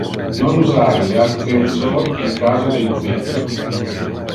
Non usar le ascensor in caso de incendio.